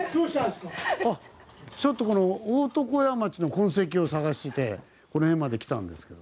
ちょっと大床屋町の痕跡を探してこの辺まで来たんですけど。